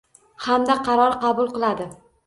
Hamda qaror qabul qiladi.